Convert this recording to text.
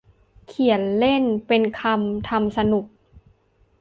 เขียนเล่น เป็นคำ ทำสนุก